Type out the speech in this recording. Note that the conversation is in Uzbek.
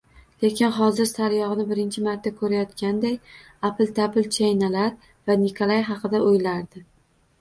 Lekin hozir sariyogʻni birinchi marta koʻrayotganday apil-tapil chaynalar va Nikolay haqida oʻylardi